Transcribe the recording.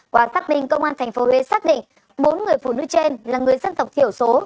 quả xác minh công an tp huế xác định bốn người phụ nữ trên là người dân tộc thiểu số